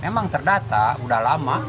emang terdata udah lama